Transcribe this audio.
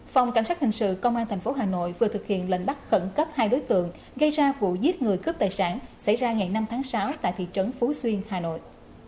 phòng cảnh sát hình sự công an tp hà nội vừa thực hiện lệnh bắt khẩn cấp hai đối tượng gây ra vụ giết người cướp tài sản xảy ra ngày năm tháng sáu tại thị trấn phú xuyên hà nội